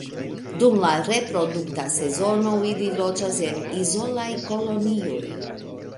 Dum la reprodukta sezono ili loĝas en izolaj kolonioj.